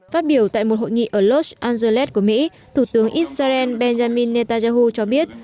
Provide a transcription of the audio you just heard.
phát biểu tại một hội nghị ở los angeles của mỹ thủ tướng israel benjamin netanyahu cho biết